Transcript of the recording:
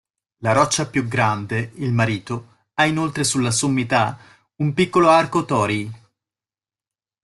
La roccia più grande, il "Marito", ha inoltre sulla sommità un piccolo arco "torii".